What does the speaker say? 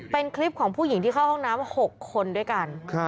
เป็นคลิปของผู้หญิงที่เข้าห้องน้ำ๖คนด้วยกัน